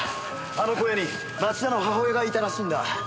あの小屋に町田の母親がいたらしいんだ。